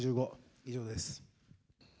以上です。